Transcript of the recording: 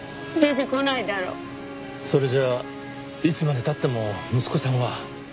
それじゃいつまで経っても息子さんは。